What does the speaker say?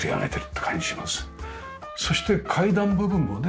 そして階段部分はね